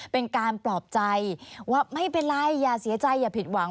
เป็นการปลอบใจว่าไม่เป็นไรอย่าเสียใจอย่าผิดหวัง